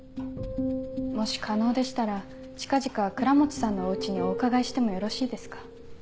もし可能でしたら近々倉持さんのお家にお伺いしてもよろしいですか？